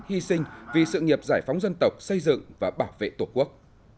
hy sinh vì sự nghiệp giải phóng dân tộc xây dựng và bảo vệ tổ quốc